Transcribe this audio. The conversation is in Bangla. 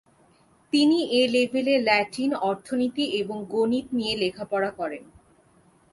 তিনি এ লেভেলে ল্যাটিন, অর্থনীতি এবং গণিত নিয়ে লেখাপড়া করেন।